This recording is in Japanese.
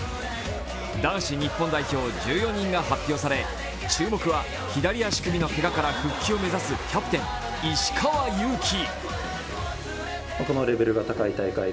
男子日本代表１４人が発表され、注目は左足首のけがから復帰を目指すキャプテン・石川祐希。